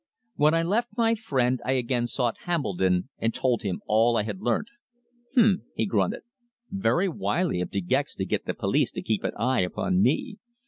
When I left my friend I again sought Hambledon and told him all I had learnt. "H'm!" he grunted. "Very wily of De Gex to get the police to keep an eye upon me.